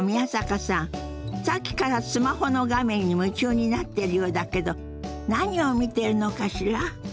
さっきからスマホの画面に夢中になってるようだけど何を見てるのかしら？